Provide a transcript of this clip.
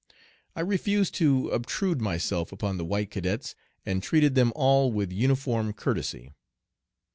I refused to obtrude myself upon the white cadets, and treated them all with uniform courtesy.